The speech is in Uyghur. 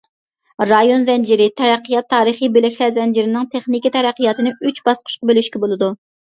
رايون زەنجىرى تەرەققىيات تارىخى بۆلەكلەر زەنجىرىنىڭ تېخنىكا تەرەققىياتىنى ئۈچ باسقۇچقا بۆلۈشكە بولىدۇ .